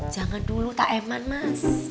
jangan dulu tak eman mas